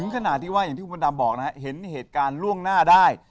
ขนาดที่ว่าอย่างที่คุณมดดำบอกนะฮะเห็นเหตุการณ์ล่วงหน้าได้